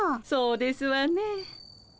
そうですわね。